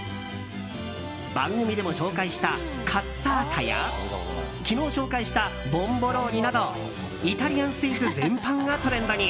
番組でも紹介したカッサータや昨日紹介したボンボローニなどイタリアンスイーツ全般がトレンドに。